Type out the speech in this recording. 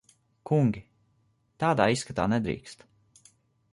Kungi! Tādā izskatā nedrīkst.